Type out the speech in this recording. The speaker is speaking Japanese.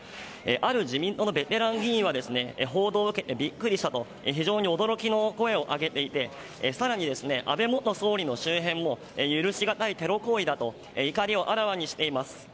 ある自民党のベテラン議員は報道を受けてビックリしたと非常に驚きの声を上げていて更に、安倍元総理の周辺も許しがたいテロ行為だと怒りをあらわにしています。